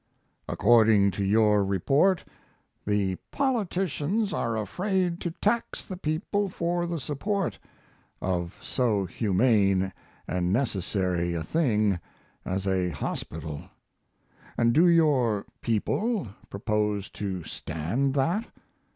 According to your report, "the politicians are afraid to tax the people for the support" of so humane and necessary a thing as a hospital. And do your "people" propose to stand that?